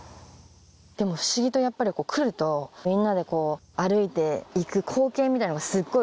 でも不思議とやっぱり来ると、みんなで歩いていく光景みたいのがすっごい